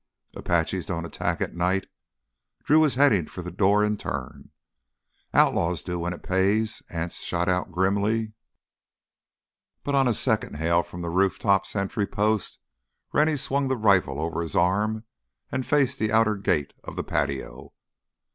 "Apaches don't attack at night!" Drew was heading for the door in turn. "Outlaws do, when it pays," Anse shot out grimly. But on a second hail from the rooftop sentry post Rennie swung the rifle over his arm and faced the outer gate of the patio.